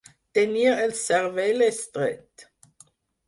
Tenir el cervell estret.